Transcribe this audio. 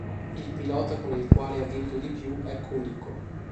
Il pilota con il quale ha vinto di più è Cunico.